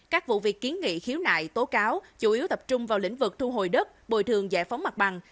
các vụ việc kiến nghị khiếu nại tố cáo chủ yếu tập trung vào lĩnh vực thu hồi đất bồi thường giải phóng mặt bằng